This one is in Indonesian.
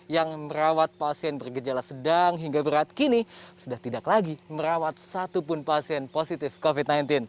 yang merawat pasien bergejala sedang hingga berat kini sudah tidak lagi merawat satupun pasien positif covid sembilan belas